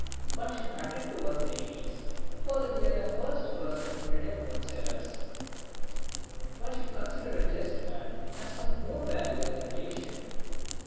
One should attend to one's enemies, for they are the first persons to detect one's errors. One should consider a just man as of more value than a relation.